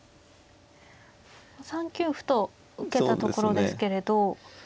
３九歩と受けたところですけれど。